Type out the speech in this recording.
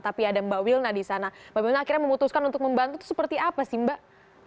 tapi ada mbak wilna di sana mbak wilna akhirnya memutuskan untuk membantu itu seperti apa sih mbak